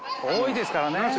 多いですからね。